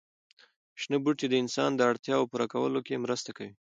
شنه بوټي د انسانانو د اړتیاوو پوره کولو کې مرسته کوي.